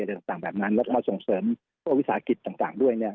อะไรต่างต่างแบบนั้นแล้วก็มาส่งเสริมข้อวิสาหกิจต่างต่างด้วยเนี่ย